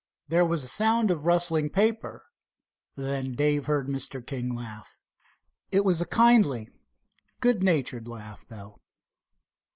There was a sound of rustling paper. Then Dave heard Mr. King laugh. It was a kindly, good natured laugh, though.